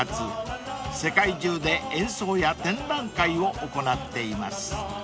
［世界中で演奏や展覧会を行っています］